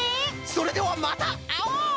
それではまたあおう！